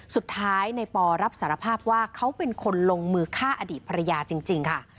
สุดท้ายในปอรับสารภาพว่าเขาเป็นคนลงมือฆ่าอดีตภรรยาจริงค่ะ